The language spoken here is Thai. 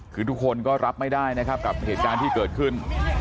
คือทุกคนก็รับไม่ได้นะครับกับเหตุการณ์ที่เกิดขึ้น